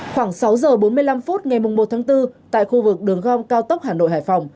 khoảng sáu giờ bốn mươi năm phút ngày một tháng bốn tại khu vực đường gom cao tốc hà nội hải phòng